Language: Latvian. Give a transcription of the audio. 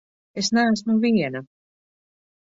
Es neesmu viena!